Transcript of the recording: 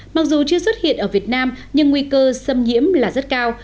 mặc dù chưa xuất hiện ở việt nam nhưng nguy cơ xâm nhiễm là rất cao